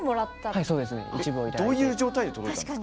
どういう状態で届いたんですか？